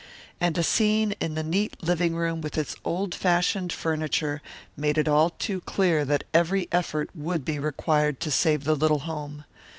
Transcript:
And a scene in the neat living room with its old fashioned furniture made it all too clear that every effort would be required to save the little home.